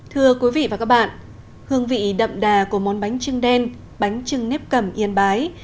thưa quý vị và các bạn hương vị đậm đà của món bánh trưng đen bánh trưng nếp cầm yên bái